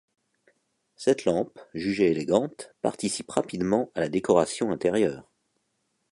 Cette lampe, jugée élégante, participe rapidement à la décoration intérieure.